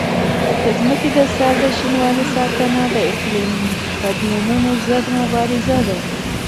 د ځمکې د سر د شینوالي ساتنه د اقلیمي بدلونونو ضد مبارزه ده.